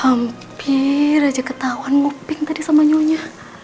hampir aja ketahuan moping tadi sama nyonya